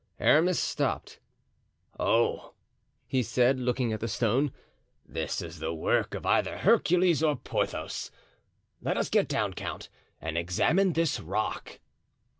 Aramis stopped. "Oh!" he said, looking at the stone, "this is the work of either Hercules or Porthos. Let us get down, count, and examine this rock."